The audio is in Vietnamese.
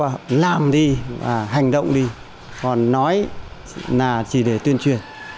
họ bác là chỉ có vào làm đi và hành động đi còn nói là chỉ để tuyên truyền